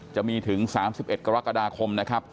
จะมีถึง๓๑กรกฎาคมนะครับ